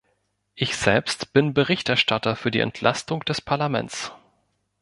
Ich selbst bin Berichterstatter für die Entlastung des Parlaments.